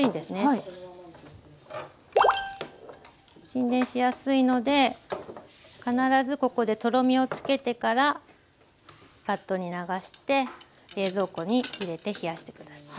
沈殿しやすいので必ずここでとろみをつけてからバットに流して冷蔵庫に入れて冷やして下さい。